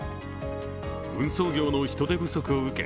運送業の人手不足を受け